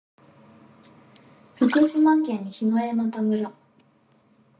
福島県檜枝岐村